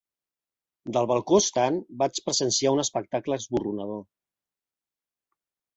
Del balcó estant vaig presenciar un espectacle esborronador.